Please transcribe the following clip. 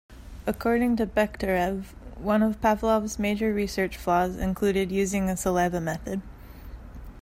According to Bekhterev, one of Pavlov's major research flaws included using a saliva method.